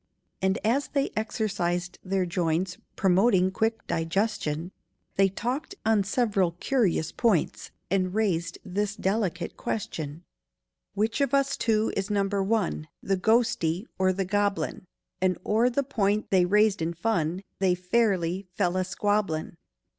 And as they exercised their joints, Promoting quick digestion, They talked on several curious points, And raised this delicate question: "Which of us two is Number One— The ghostie, or the goblin?" And o'er the point they raised in fun They fairly fell a squabblin'.